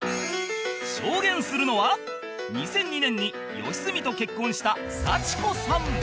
証言するのは２００２年に良純と結婚した幸子さん